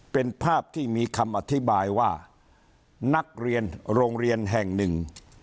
เป็นภาพที่มีคำอธิบายว่านักเรียนโรงเรียนแห่งหนึ่ง